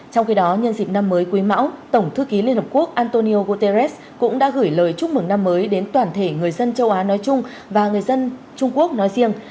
trong khi đó nhân dịp năm mới quý mão tổng thư ký liên hợp quốc antonio guterres cũng đã gửi lời chúc mừng năm mới đến toàn thể người dân châu á nói chung và người dân trung quốc nói riêng